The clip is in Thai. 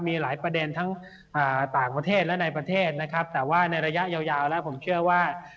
มีหลายประเด็นทั้งต่างประเทศและในประเทศนะครับแต่ว่าในระยะยาวแล้วผมเชื่อว่า